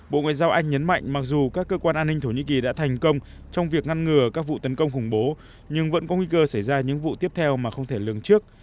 bộ ngoại giao anh nhấn mạnh mặc dù các cơ quan an ninh thổ nhĩ kỳ đã thành công trong việc ngăn ngừa các vụ tấn công khủng bố nhưng vẫn có nguy cơ xảy ra những vụ tiếp theo mà không thể lường trước